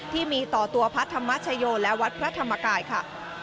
ที่มีต่อตัวพระธรรมชโยและวัดพระธรรมกายค่ะ